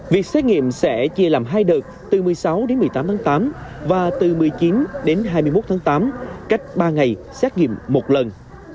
việc xét nghiệm sẽ chia làm hai đợt từ một mươi sáu đến một mươi tám tháng tám và từ một mươi chín đến hai mươi một tháng tám cách ba ngày xét nghiệm một lần